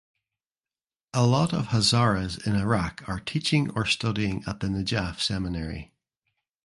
A lot of Hazaras in Iraq are teaching or studying at the Najaf Seminary.